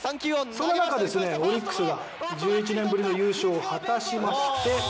そんななかオリックスが１１年ぶりの優勝を果たしまして。